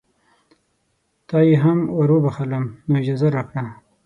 تا یې هم وروبخښلم نو اجازه راکړه.